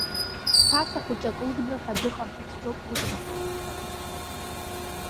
Сҭаца хәыҷы ак лыгныҳәа дыҟам, ицәгьоуп лыгәнаҳа.